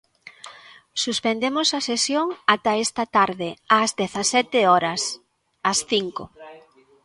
Suspendemos a sesión ata esta tarde ás dezasete horas, as cinco.